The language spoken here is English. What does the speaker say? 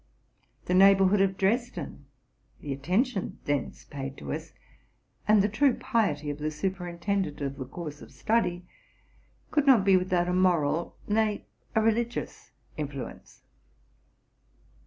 'The neigh borhood of Dresden, the attention thence paid to us, and the true piety of the superintendent of the course of study, could not be without a moral, nay, a religious, influence.